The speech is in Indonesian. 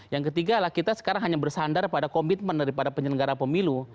yang ketiga lah kita sekarang hanya bersandar pada komitmen daripada penyelenggara pemilu